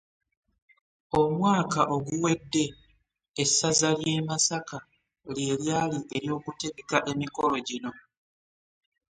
Omwaka oguwedde, essaza ly'e Masaka lye lyali ery'okutegeka emikolo gino